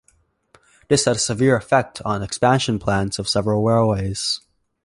This had a severe effect on expansion plans of several railways.